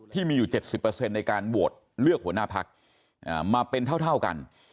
ที่มีอยู่๗๐ในการโหวตเลือกหัวหน้าพักมาเป็นเท่ากัน